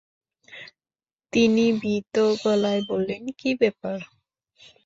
তিনি ভীত গলায় বললেন, কী ব্যাপার?